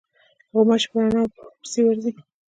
غوماشې په رڼا پسې ورځي.